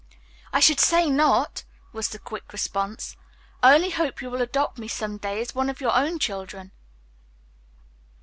"I should say not!" was the quick response. "I only hope you will adopt me some day as one of your children."